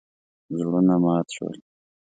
زړونه مات شول.